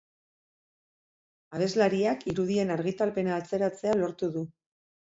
Abeslariak irudien argitalpena atzeratzea lortu du.